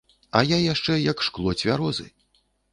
А я яшчэ як шкло цвярозы.